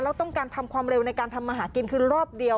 แล้วต้องการทำความเร็วในการทำมาหากินคือรอบเดียว